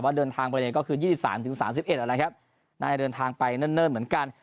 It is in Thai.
ว่าเดินทางไปก็คือ๒๓ถึง๓๑อะไรครับน่าจะเดินทางไปเนิ่นนเหมือนกัน